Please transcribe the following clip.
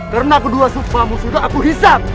karena kedua sukmamu sudah aku hisap